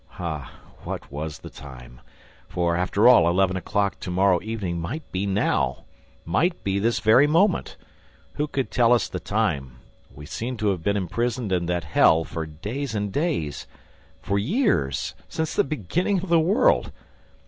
Ah, what was the time? ... For, after all, eleven o'clock to morrow evening might be now, might be this very moment! Who could tell us the time? We seemed to have been imprisoned in that hell for days and days ... for years ... since the beginning of the world.